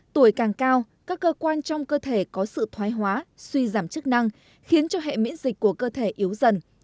tuổi càng cao các cơ quan trong cơ thể có sự thoái hóa suy giảm chức năng khiến cho hệ miễn dịch của cơ thể yếu dần